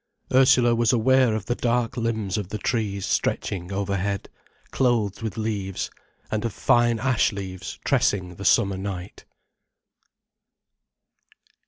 Ursula was aware of the dark limbs of the trees stretching overhead, clothed with leaves, and of fine ash leaves tressing the summer night.